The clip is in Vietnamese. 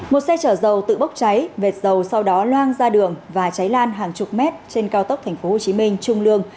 một xe chở dầu tự bốc cháy vệt dầu sau đó loang ra đường và cháy lan hàng chục mét trên cao tốc tp hcm trung lương